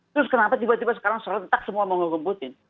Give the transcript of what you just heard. terus kenapa tiba tiba sekarang serentak semua menghukum putin